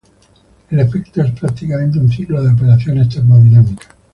El efecto es prácticamente un ciclo de operaciones termodinámicas.